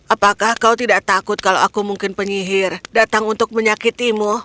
apakah kau tidak takut kalau aku mungkin penyihir datang untuk menyakitimu